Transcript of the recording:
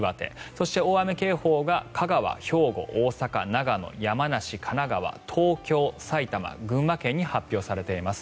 そして大雨警報が香川、兵庫、大阪、長野山梨、神奈川、東京、埼玉群馬県に発表されています。